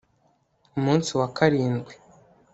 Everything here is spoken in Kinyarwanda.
umunsi wa karindwi